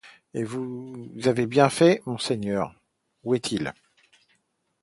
Et vous avez bien fait, monseigneur! — Où est-il?